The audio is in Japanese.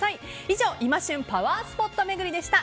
以上今旬パワースポット巡りでした。